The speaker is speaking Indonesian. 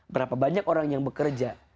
berapa banyak orang yang bekerja